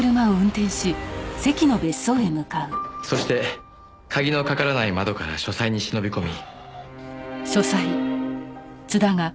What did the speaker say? そして鍵のかからない窓から書斎に忍び込み。